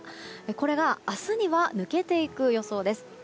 これが明日には抜けていく予想です。